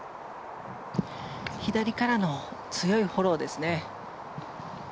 左からの強いフォローですね。